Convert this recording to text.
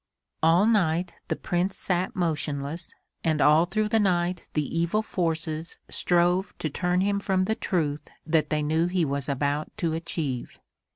All night the Prince sat motionless and all through the night the evil forces strove to turn him from the truth that they knew he was about to achieve.